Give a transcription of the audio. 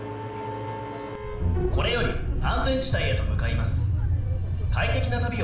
これより安全地帯へと向かいます。